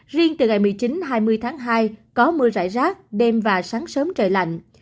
riêng từ ngày một mươi chín hai mươi tháng hai có mưa rải rác đêm và sáng sớm trời lạnh